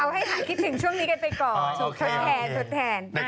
เอาให้คิดถึงช่วงนี้กันไปก่อนทดแทนทดแทน